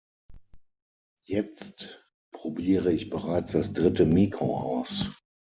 Jetzt probiere ich bereits das dritte Mikro aus.